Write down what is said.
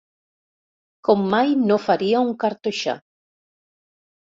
Com mai no faria un cartoixà.